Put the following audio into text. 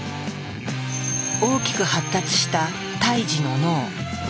大きく発達した胎児の脳。